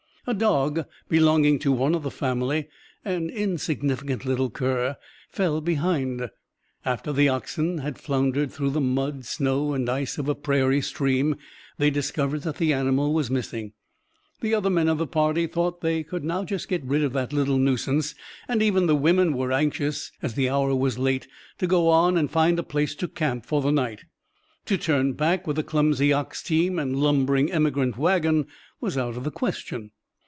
A dog belonging to one of the family an insignificant little cur fell behind. After the oxen had floundered through the mud, snow and ice of a prairie stream, they discovered that the animal was missing. The other men of the party thought they could now get rid of the little nuisance, and even the women were anxious, as the hour was late, to go on and find a place to camp for the night. To turn back with the clumsy ox team and lumbering emigrant wagon was out of the question.